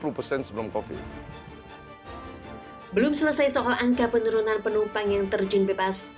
belum selesai soal angka penurunan penumpang yang terjun bebas